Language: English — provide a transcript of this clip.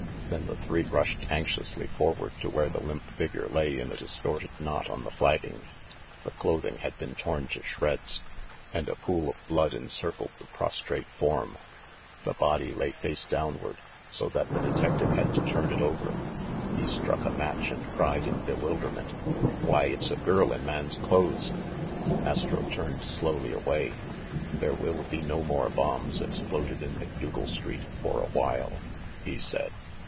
Then the three rushed anxiously forward to where the limp figure lay in a distorted knot on the flagging. The clothing had been torn to shreds, and a pool of 64 THE MASTER OF MYSTERIES blood encircled the prostrate form. The body lay face downward; so that the detective had to turn it over. He struck a match and cried in bewilderment : "Why, it's a girl in man's clothes !" Astro turned slowly away. "There will be no more bombs exploded in Macdougal Street for a while," he said.